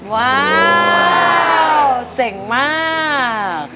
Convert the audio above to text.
ว้าวเจ๋งมาก